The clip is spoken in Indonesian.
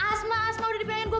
asma asma udah dipengen gue